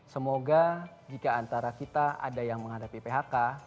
semoga jika antara kita ada yang menghadapi phk